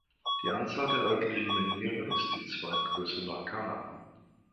Die Anzahl der örtlichen Menhire ist die zweitgrößte nach Carnac.